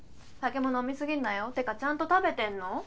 酒も飲み過ぎんなよ。ってかちゃんと食べてんの？